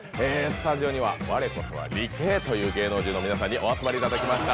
スタジオには我こそは理系という芸能人の皆さんにお集まりいただきました